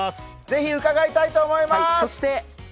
ぜひ伺いたいと思いまーす。